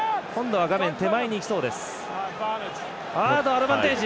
アドバンテージ。